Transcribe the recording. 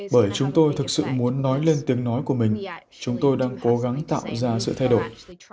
bởi chúng tôi thực sự muốn nói lên tiếng nói của mình chúng tôi đang cố gắng tạo ra sự thay đổi